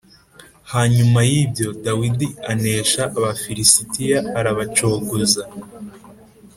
Hanyuma y’ibyo Dawidi anesha Abafilisitiya arabacogoza